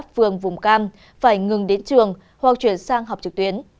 phường vùng cam phải ngừng đến trường hoặc chuyển sang học trực tuyến